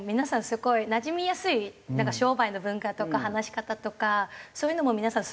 すごいなじみやすい商売の文化とか話し方とかそういうのも皆さん